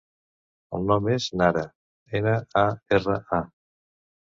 El nom és Nara: ena, a, erra, a.